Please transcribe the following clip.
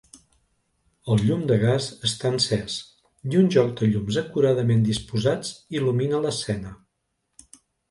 El llum de gas està encès, i un joc de llums acuradament disposats il·lumina l'escena.